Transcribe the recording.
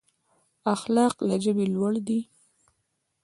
اخلاق له ژبې لوړ دي.